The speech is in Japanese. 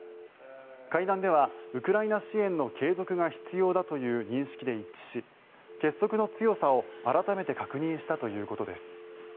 会談ではウクライナ支援の継続が必要だという認識で一致し結束の強さを改めて確認したということです。